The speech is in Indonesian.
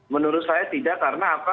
menurut saya tidak karena apa